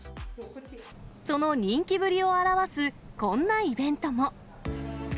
その人気ぶりを表すこんなイベントも。